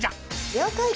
「了解！」